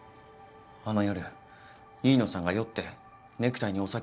あの夜飯野さんが酔ってネクタイにお酒をこぼして。